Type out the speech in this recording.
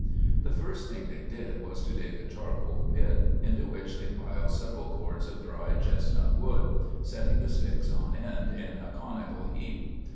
The first thing they did was to dig a charcoal pit, into which they piled several cords of dry chestnut wood, setting the sticks on end in a conical heap.